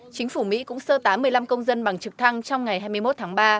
chính phủ mỹ cũng sơ tán một mươi năm công dân bằng trực thăng trong ngày hai mươi một tháng ba